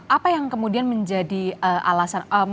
apa yang kemudian menjadi alasan